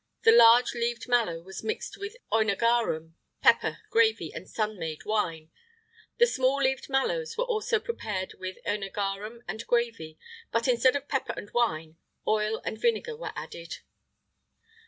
The large leaved mallow was mixed with œnogarum, pepper, gravy, and sun made wine.[IX 44] The small leaved mallows were also prepared with œnogarum and gravy; but instead of pepper and wine, oil and vinegar were added.